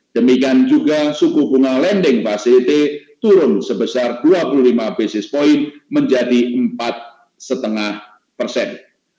demikian juga suku bunga lending facility turun sebesar dua puluh lima basis point menjadi empat lima persen